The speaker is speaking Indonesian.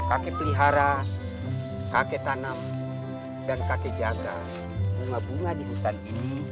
kakek pelihara kakek tanam dan kakek jaga bunga bunga di hutan ini